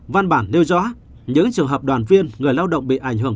văn bản nêu rõ những trường hợp đoàn viên người lao động bị ảnh hưởng